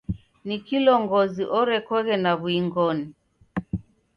Ni kilongozi urekoghe na w'uing'oni.